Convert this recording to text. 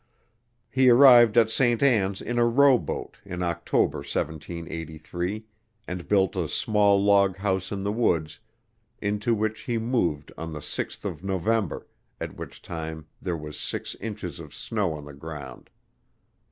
He arrived at St. Ann's in a row boat in October, 1783, and built a small log house in the woods into which he moved on the 6th of November, at which time there was six inches of snow on the ground.